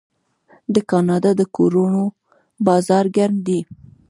د کاناډا د کورونو بازار ګرم دی.